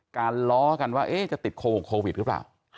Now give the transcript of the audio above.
ล้อกันว่าจะติดโควิดหรือเปล่า